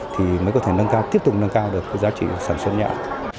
thì mới có thể tiếp tục nâng cao được giá trị sản xuất nhãn